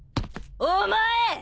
お前！